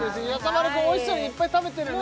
丸くんおいしそうにいっぱい食べてるね